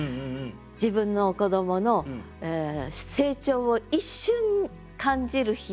自分の子どもの成長を一瞬感じる日。